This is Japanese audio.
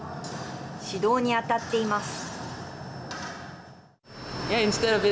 指導に当たっています。